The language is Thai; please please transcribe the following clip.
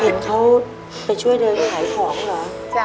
เห็นเขาไปช่วยเดินขายของเหรอ